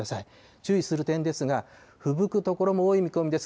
注意する点ですが、ふぶく所も多い見込みです。